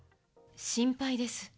心配です。